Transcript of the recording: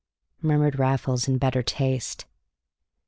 _" murmured Raffles, in better taste.